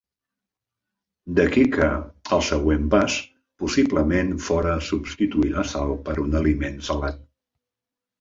D'aquí que, el següent pas, possiblement fóra substituir la sal per un aliment salat.